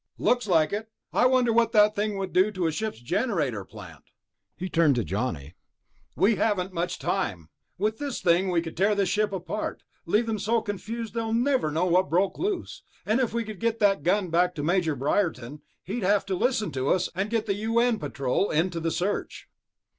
"Looks like it. I wonder what that thing would do to a ship's generator plant." He turned to Johnny. "We haven't much time. With this thing, we could tear this ship apart, leave them so confused they'll never know what broke loose. And if we could get that gun back to Major Briarton, he'd have to listen to us, and get the U.N. Patrol into the search...."